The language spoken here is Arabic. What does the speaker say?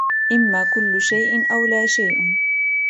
اما كل شيء او لا شيء